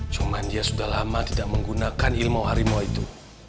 cuman dia sudah lama tidak menggunakan ilmu harimau itu